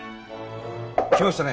来ましたね